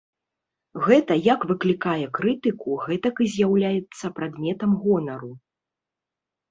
Гэта як выклікае крытыку, гэтак і з'яўляецца прадметам гонару.